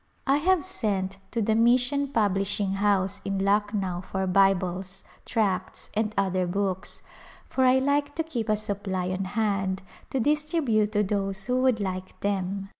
I have sent to the Mission Publishing House in Lucknow for Bibles, tracts and other books, for I like to keep a supply on hand to distribute to those who would like them.